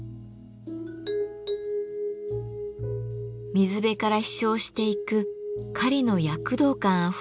水辺から飛翔していく雁の躍動感あふれる姿。